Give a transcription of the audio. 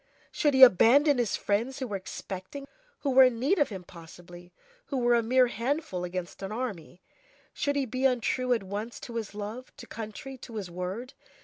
Should he abandon his friends who were expecting him? Who were in need of him possibly! who were a mere handful against an army! Should he be untrue at once to his love, to country, to his word?